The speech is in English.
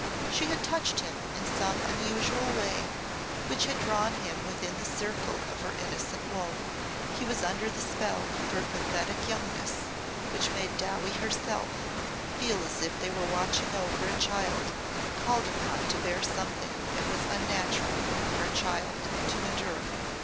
She had touched him in some unusual way which had drawn him within the circle of her innocent woe. He was under the spell of her pathetic youngness which made Dowie herself feel as if they were watching over a child called upon to bear something it was unnatural for a child to endure.